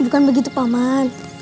bukan begitu paman